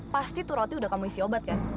pasti tuh roti udah kamu isi obat kan